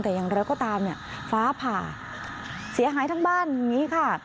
แต่อย่างไรก็ตามเนี่ยฟ้าผ่าเสียหายทั้งบ้านอย่างนี้ค่ะ